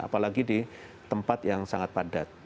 apalagi di tempat yang sangat padat